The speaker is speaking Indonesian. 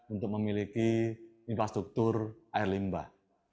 untuk memiliki infrastruktur air limbah